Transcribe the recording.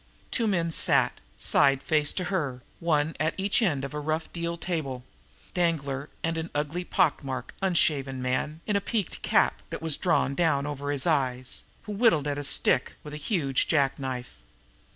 Two men sat, side face to her, one at each end of a rough, deal table Danglar, and an ugly, pock marked, unshaven man, in a peaked cap that was drawn down over his eyes, who whittled at a stick with a huge jack knife.